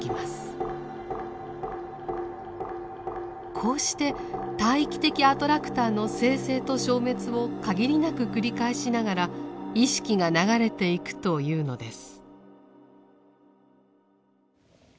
こうして大域的アトラクターの生成と消滅を限りなく繰り返しながら意識が流れていくというのです。